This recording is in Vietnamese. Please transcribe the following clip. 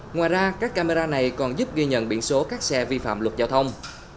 ngoài ra các camera này còn giúp ghi nhận biển số các xe vi phạm luật giao thông